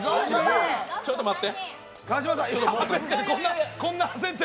ちょっと待って。